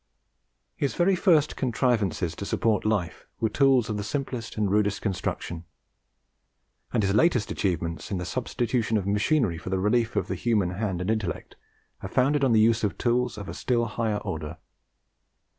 His very first contrivances to support life were tools of the simplest and rudest construction; and his latest achievements in the substitution of machinery for the relief of the human hand and intellect are founded on the use of tools of a still higher order.